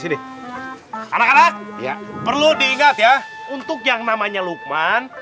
anak anak ya perlu diingat ya untuk yang namanya lukman